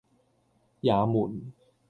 也門